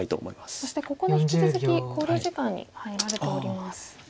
そしてここで引き続き考慮時間に入られております。